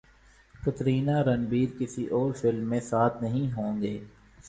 کترینہ رنبیر کسی اور فلم میں ساتھ نہیں ہوں گے